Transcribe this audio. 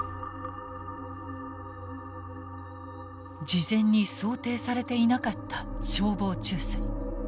事前に想定されていなかった消防注水。